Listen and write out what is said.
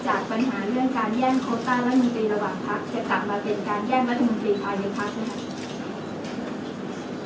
จะกลับมาเป็นการแย่งรัฐมนตรีภายในภาคไหมครับ